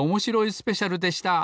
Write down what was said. スペシャル」でした！